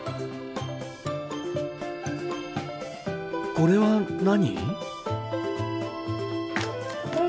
これは何？